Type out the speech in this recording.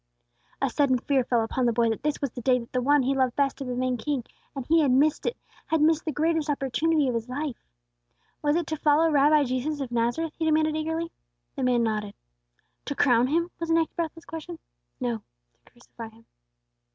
A sudden fear fell upon the boy that this was the day that the One he loved best had been made king, and he had missed it, had missed the greatest opportunity of his life. "Was it to follow Rabbi Jesus of Nazareth?" he demanded eagerly. The man nodded. "To crown Him?" was the next breathless question. "No; to crucify Him."